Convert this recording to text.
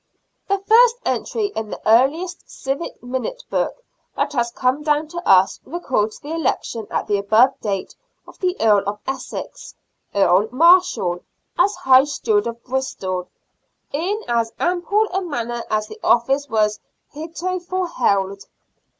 The first entry in the earliest civic minute book that has come down to us records the election at the above date of the Earl of Essex, Earl Marshal, as High Steward of Bristol " in as ample a manner as the office was hereto fore held."